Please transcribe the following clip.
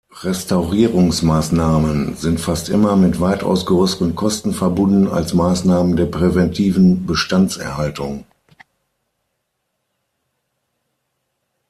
Restaurierungsmaßnahmen sind fast immer mit weitaus größeren Kosten verbunden, als Maßnahmen der präventiven Bestandserhaltung.